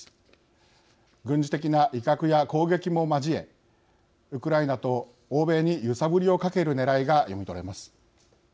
軍事的な威嚇や攻撃も交えウクライナと欧米に揺さぶりをかけるねらいが読み取れます。